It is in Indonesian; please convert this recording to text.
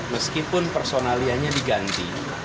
meskipun personalianya diganti